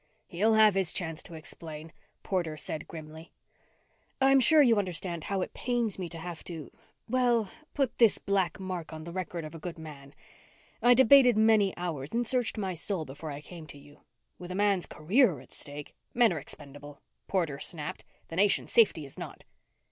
"He'll have his chance to explain," Porter said grimly. "I'm sure you understand how it pains me to have to well, put this black mark on the record of a good man. I debated many hours and searched my soul before I came to you. With a man's career at stake " "Men are expendable," Porter snapped. "The nation's safety is not."